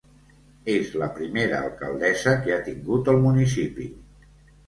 És la primera alcaldessa que ha tingut el municipi.